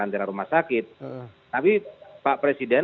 tapi pak presiden